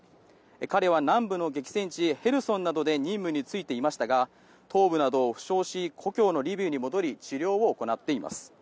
彼は南部の激戦地ヘルソンなどで任務に就いていましたが頭部などを負傷し故郷のリビウに戻り治療を行っています。